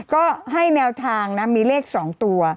ก็ให้แนวทางนะมีเลข๒ตัว